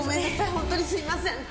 本当にすいません。